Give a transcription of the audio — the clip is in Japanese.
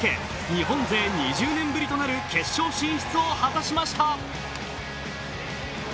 日本勢２０年ぶりとなる決勝進出を果たしました。